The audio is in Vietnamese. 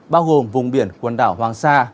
bao gồm vùng biển quần đảo hoàng sa